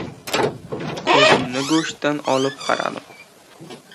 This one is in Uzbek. Ko‘zimni go‘shtdan olib qaradim.